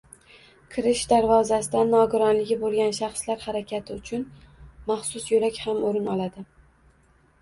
Kirish darvozasidan nogironligi boʻlgan shaxslar harakati uchun maxsus yoʻlak ham oʻrin oladi.